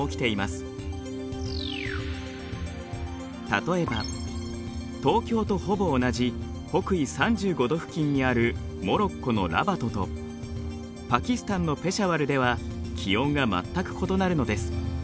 例えば東京とほぼ同じ北緯３５度付近にあるモロッコのラバトとパキスタンのペシャワルでは気温が全く異なるのです。